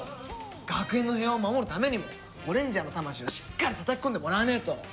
学園の平和を守るためにもゴレンジャーの魂をしっかりたたき込んでもらわねえと。